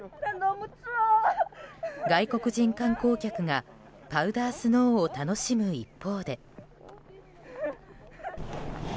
外国人観光客がパウダースノーを楽しむ一方で。